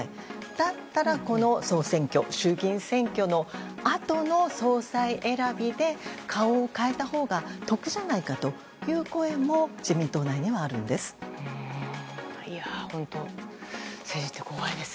だったら、この総選挙衆議院選挙のあとの総裁選びで顔を代えたほうが得じゃないかという声も自民党内にはあるんです。